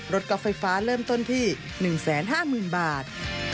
ก๊อฟไฟฟ้าเริ่มต้นที่๑๕๐๐๐บาท